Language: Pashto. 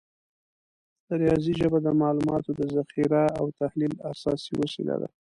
د ریاضي ژبه د معلوماتو د ذخیره او تحلیل اساسي وسیله ده.